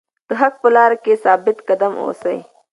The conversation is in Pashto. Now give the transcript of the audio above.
د حق په لاره کې ثابت قدم اوسئ.